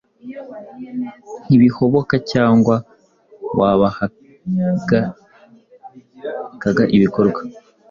Ntibihoboka cyangwa wahakaga ibikorwa